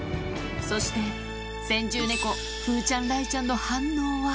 そして先住猫風ちゃん雷ちゃんの反応は？